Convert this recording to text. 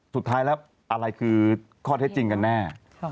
สุดท้ายแล้วอะไรคือข้อเท็จจริงกันแน่